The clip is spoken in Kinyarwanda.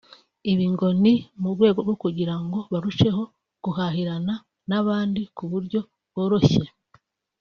Ibi ngo ni mu rwego rwo kugira ngo barusheho guhahirana n’abandi ku buryo bworoshye